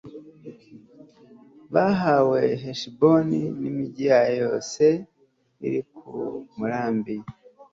bahawe heshiboni n'imigi yayo yose iri ku murambi